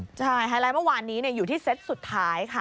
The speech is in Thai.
ใช่ไฮไลท์เมื่อวานนี้อยู่ที่เซตสุดท้ายค่ะ